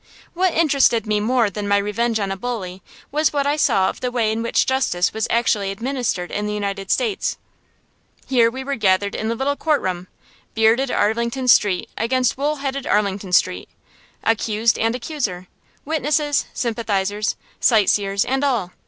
What interested me more than my revenge on a bully was what I saw of the way in which justice was actually administered in the United States. Here we were gathered in the little courtroom, bearded Arlington Street against wool headed Arlington Street; accused and accuser, witnesses, sympathizers, sight seers, and all.